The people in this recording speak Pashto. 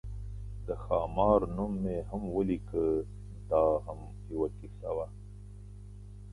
د خامار نوم مې هم ولیکه، دا هم یوه کیسه وه.